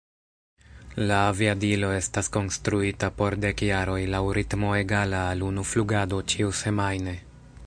La aviadilo estas konstruita por dek jaroj laŭ ritmo egala al unu flugado ĉiusemajne.